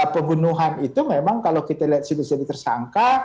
pembunuhan itu memang kalau kita lihat situ situ tersangka